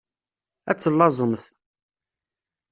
Ad tellaẓemt.